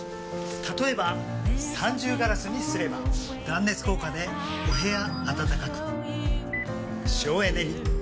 例えば三重ガラスにすれば断熱効果でお部屋暖かく省エネに。